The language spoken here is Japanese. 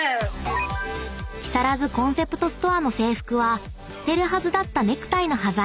［木更津コンセプトストアの制服は捨てるはずだったネクタイの端材を使用］